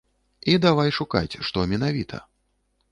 І давай шукаць, што менавіта.